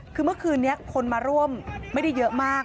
คือเมื่อคืนนี้คนมาร่วมไม่ได้เยอะมาก